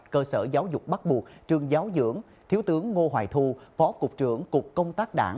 cơ sở giáo dục bắt buộc trường giáo dưỡng thiếu tướng ngô hoài thu phó cục trưởng cục công tác đảng